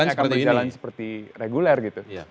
ini akan berjalan seperti reguler gitu